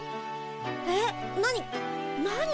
えっ何何？